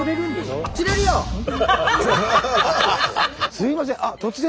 すいません突然。